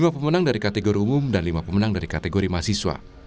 dua pemenang dari kategori umum dan lima pemenang dari kategori mahasiswa